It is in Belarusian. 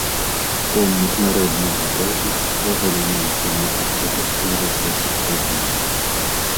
Помнік народнага дойлідства з элементамі архітэктуры класіцызму.